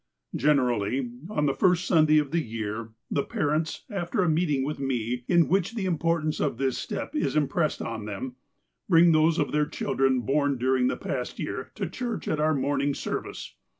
" Generally, on the first Sunday of the year, the parents, after a meeting with me, in which the importance of this step is im pressed on them, bring those of their children born during the past year to church at our morning service.